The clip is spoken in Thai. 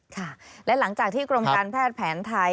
ค่ะและหลังจากที่กรมการแพทย์แผนไทย